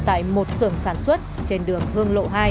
tại một sưởng sản xuất trên đường hương lộ hai